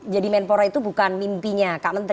jadi menpora itu bukan mimpinya kak menteri